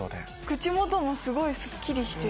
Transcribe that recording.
口元もすごいすっきりしてる。